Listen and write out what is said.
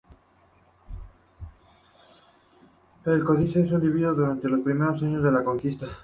El códice fue dividido durante los primeros años de la conquista.